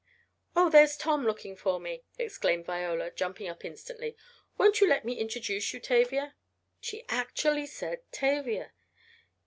"Oh, there's Tom looking for me," exclaimed Viola, jumping up instantly, "won't you let me introduce you, Tavia?" (she actually said Tavia!)